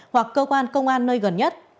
hoặc cơ quan công an nơi gần nhất